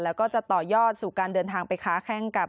แล้วก็จะต่อยอดสู่การเดินทางไปค้าแข้งกับ